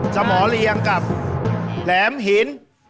สมอเรียงกับแหลมหิน